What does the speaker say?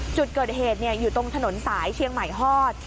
จุดเกิดเหตุอยู่ตรงถนนสายเชียงใหม่ฮอด